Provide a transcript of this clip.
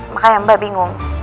makanya mbak bingung